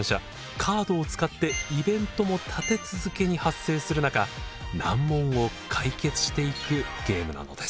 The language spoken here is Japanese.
カードを使ってイベントも立て続けに発生する中難問を解決していくゲームなのです。